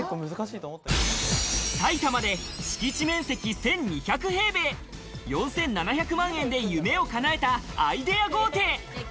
埼玉で敷地面積１２００平米、４７００万円で夢をかなえたアイデア豪邸。